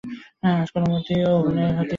আজ কোনোমতেই অভিনয় হতেই পারে না।